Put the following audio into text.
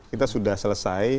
kita sudah selesai